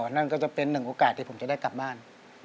นั่นก็จะเป็นหนึ่งโอกาสที่ผมจะได้กลับบ้าน